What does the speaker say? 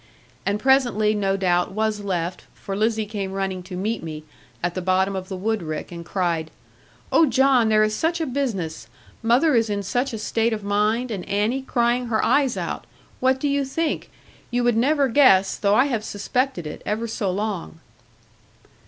And presently no doubt was left: for Lizzie came running to meet me, at the bottom of the woodrick, and cried, 'Oh, John, there is such a business. Mother is in such a state of mind, and Annie crying her eyes out. What do you think? You would never guess, though I have suspected it, ever so long.'